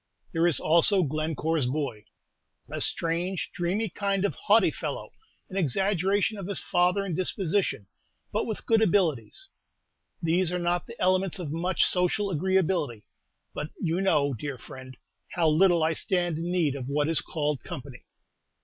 There is also Glencore's boy, a strange, dreamy kind of haughty fellow, an exaggeration of his father in disposition, but with good abilities. These are not the elements of much social agreeability; but you know, dear friend, how little I stand in need of what is called company.